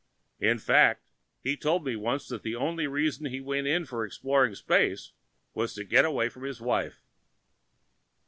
In fact, he told me once that the only reason he went in for exploring space was to get away from his wife."